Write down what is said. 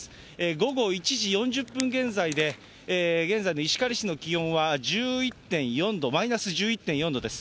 午後１時４０分現在で、現在の石狩市の気温は１１．４度、マイナス１１．４度です。